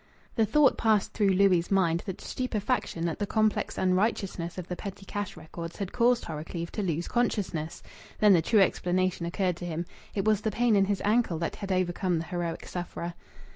The thought passed through Louis' mind that stupefaction at the complex unrighteousness of the petty cash records had caused Horrocleave to lose consciousness. Then the true explanation occurred to him. It was the pain in his ankle that had overcome the heroic sufferer.